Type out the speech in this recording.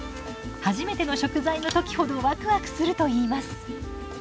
初めての食材の時ほどワクワクするといいます。